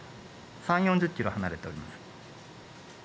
３、４０キロ離れています。